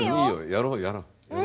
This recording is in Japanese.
やろうやろう。